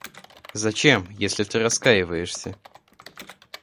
Зачем, если ты раскаиваешься?